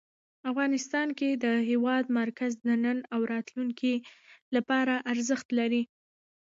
افغانستان کې د هېواد مرکز د نن او راتلونکي لپاره ارزښت لري.